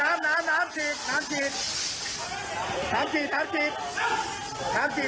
เอาน้้ำน้้ำน้้ำน้ามสีบน้้ำสีบน้้ำสีบน้้ำสีบ